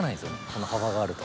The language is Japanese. この幅があると。